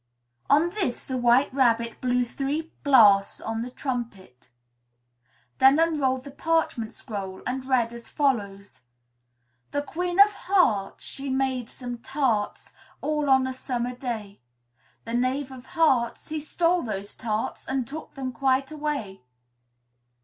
On this, the White Rabbit blew three blasts on the trumpet, then unrolled the parchment scroll and read as follows: "The Queen of Hearts, she made some tarts, All on a summer day; The Knave of Hearts, he stole those tarts And took them quite away!"